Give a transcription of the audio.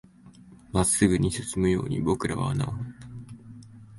真っ直ぐに進むように僕らは穴を掘った